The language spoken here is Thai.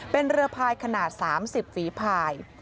เป็นเรือพายขนาด๓๐ฝีภาย